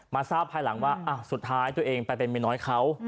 ทราบภายหลังว่าสุดท้ายตัวเองไปเป็นเมียน้อยเขา